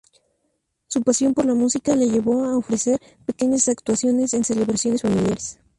Su pasión por la música le llevó a ofrecer pequeñas actuaciones en celebraciones familiares.